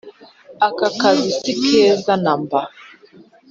Akakazi si keza namba